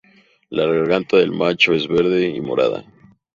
La garganta del macho es verde y morada.